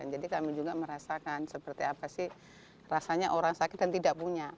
kami juga merasakan seperti apa sih rasanya orang sakit dan tidak punya